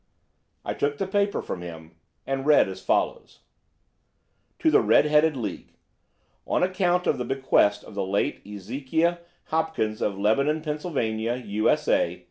I took the paper from him and read as follows: "TO THE RED HEADED LEAGUE: On account of the bequest of the late Ezekiah Hopkins, of Lebanon, Pennsylvania, U.S.A.